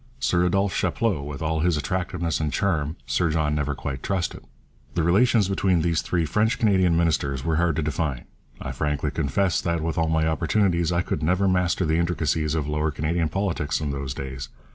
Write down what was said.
Sir Adolphe Chapleau, with all his attractiveness and charm, Sir John never quite trusted. The relations between these three French Canadian ministers were hard to define. I frankly confess that, with all my opportunities, I could never master the intricacies of Lower Canadian politics in those days.